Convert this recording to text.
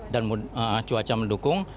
dan cuaca mendukung